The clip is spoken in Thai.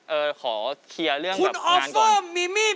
เออขอเคลียร์เรื่องแบบงานก่อนคุณออฟเฟอร์มีมี่